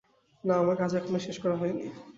না, আমার কাজ এখনো শেষ করা হয়নি।